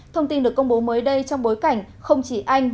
thông tin được công bố mới đây trong bối cảnh